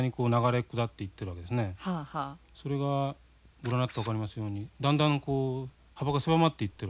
それがご覧になって分かりますようにだんだん幅が狭まっていってるわけです。